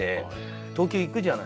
東京行くじゃないですか。